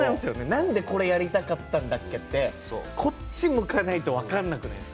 なんで、これやりたかったかこっち向かないと分からなくないですか。